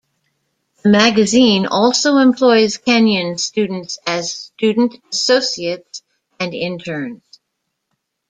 The magazine also employs Kenyon students as student associates and interns.